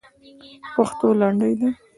پښتو لنډۍ ده.